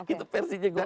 itu versinya golkar